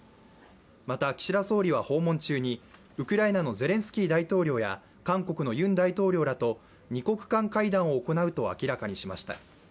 また岸田総理は訪問中にウクライナのゼレンスキー大統領や韓国のユン大統領らと二国間会談を行うと明らかにしました。